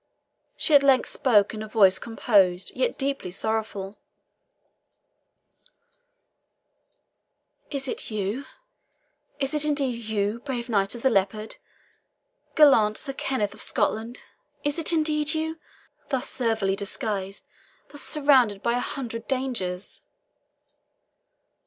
She at length spoke in a voice composed, yet deeply sorrowful, "Is it you? It is indeed you, brave Knight of the Leopard gallant Sir Kenneth of Scotland; is it indeed you? thus servilely disguised thus surrounded by a hundred dangers."